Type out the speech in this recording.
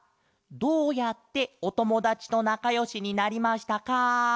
「どうやっておともだちとなかよしになりましたか？」。